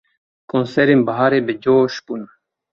Konserên biharê bi coş bûn.